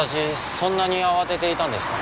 そんなに慌てていたんですか？